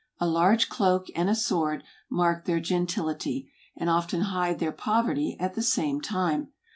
A large cloak, and a sword, mark their gentility; and often hide their poverty at the same time.